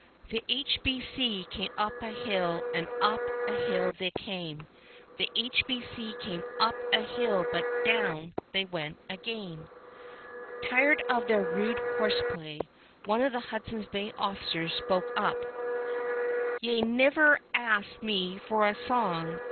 "The H.B.C. came up a hill, and up a hill they came, The H.B.C. came up the hill, but down they went again." Tired of their rude horseplay, one of the Hudson's Bay officers spoke up: "Y' hae niver asked me for a song.